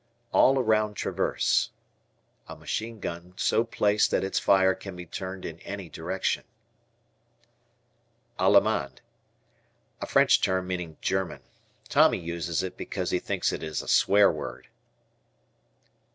"All around traverse." A machine gun so placed that its fire can be turned in any direction. Allemand. A French term meaning "German." Tommy uses it because he thinks it is a swear word.